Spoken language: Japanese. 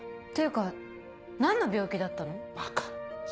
というか何の病気だったの？